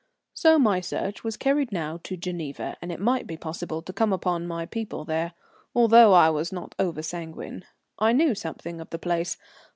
So my search was carried now to Geneva, and it might be possible to come upon my people there, although I was not oversanguine. I knew something of the place.